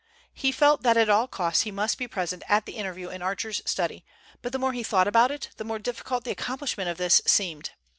He felt that at all costs he must be present at the interview in Archer's study, but the more he thought about it, the more difficult the accomplishment of this seemed.